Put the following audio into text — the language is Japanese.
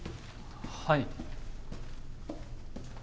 はい。